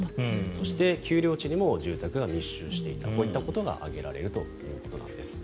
そして丘陵地にも住宅が密集していたこういったことが挙げられるということなんです。